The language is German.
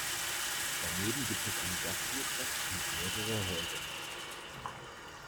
Daneben gibt es eine Gastwirtschaft und mehrere Häuser.